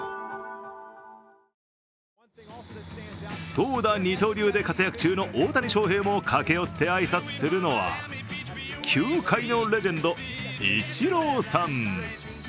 投打二刀流で活躍中の大谷翔平も、駆け寄って挨拶するのは球界のレジェンド・イチローさん。